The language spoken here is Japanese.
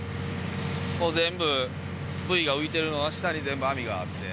全部ブイが浮いてるのは下に全部網があって。